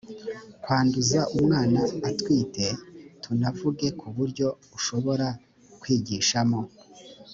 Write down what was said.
kwanduza umwana atwite tunavuge ku buryo ushobora kwigishamo